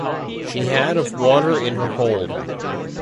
She had of water in her hold.